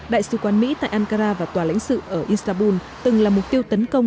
đại sứ quán mỹ tại ankara và tòa lãnh sự ở istanbul từng là mục tiêu tấn công